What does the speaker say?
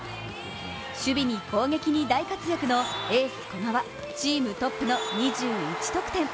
守備に攻撃に大活躍のエース・古賀はチームトップの２１得点。